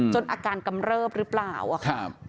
จนอาการกำเลิบหรือเปล่าฮะ